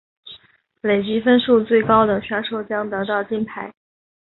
累积分数最高的选手将得到金牌。